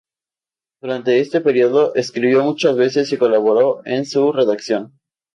Durante este período escribió muchas veces y colaboró en su redacción.